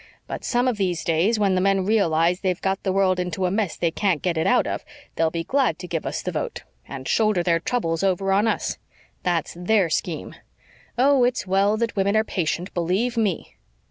But some of these days, when the men realize they've got the world into a mess they can't get it out of, they'll be glad to give us the vote, and shoulder their troubles over on us. That's THEIR scheme. Oh, it's well that women are patient, believe ME!"